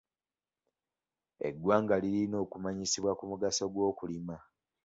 Eggwanga lirina okumanyisibwa ku mugaso gw'okulima.